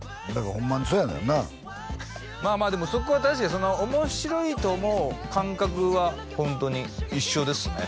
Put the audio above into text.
ホンマにそうやねんなまあまあでもそこは確かに面白いと思う感覚はホントに一緒ですね